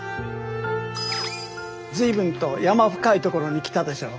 随分と山深いところに来たでしょ。